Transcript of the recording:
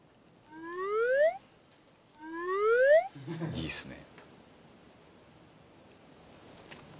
いいですね。